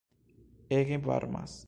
Ege varmas!